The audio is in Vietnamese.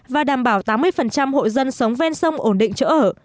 và đảm bảo tám mươi hộ dân sống ven sông ổn định chỗ ở